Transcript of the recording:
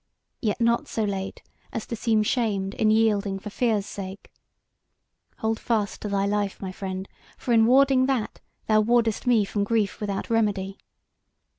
Yet not so late as to seem shamed in yielding for fear's sake. Hold fast to thy life, my friend, for in warding that, thou wardest me from grief without remedy.